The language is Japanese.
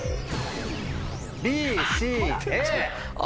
ＢＣＡ。